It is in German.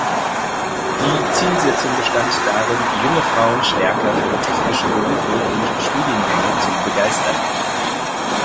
Die Zielsetzung bestand darin junge Frauen stärker für technische Berufe und Studiengänge zu begeistern.